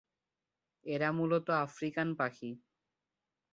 এরা মূলত আফ্রিকান পাখি।